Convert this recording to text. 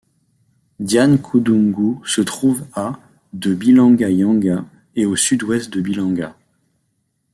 Diankoudoungou se trouve à de Bilanga-Yanga et au sud-ouest de Bilanga.